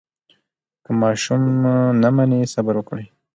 که ماشوم نه مني، صبر وکړئ.